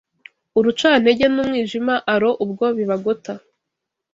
urucantege n’umwijima aro ubwo bibagota